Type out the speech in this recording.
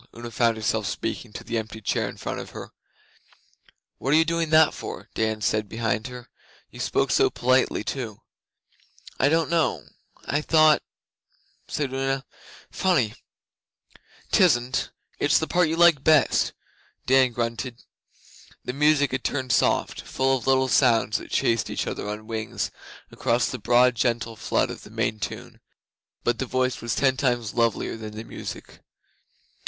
Una found herself speaking to the empty chair in front of her. 'What are you doing that for?' Dan said behind her. 'You spoke so politely too.' 'I don't know... I thought ' said Una. 'Funny!' ''Tisn't. It's the part you like best,' Dan grunted. The music had turned soft full of little sounds that chased each other on wings across the broad gentle flood of the main tune. But the voice was ten times lovelier than the music.